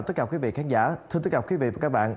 tất cả quý vị khán giả thưa tất cả quý vị và các bạn